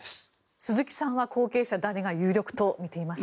鈴木さんは後継者誰が有力とみていますか？